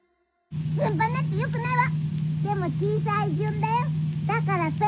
順番なんてよくないわ！